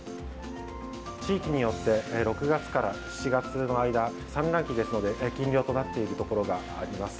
地域によって６月から７月の間産卵期ですので禁漁となっているところがあります。